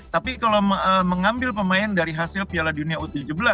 tapi kalau mengambil pemain dari hasil piala dunia u tujuh belas